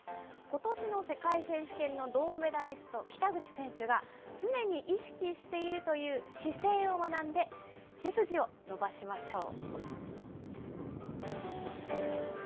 ことしの世界選手権の銅メダリスト、北口選手が、常に意識しているという姿勢を学んで、背筋を伸ばしましょう。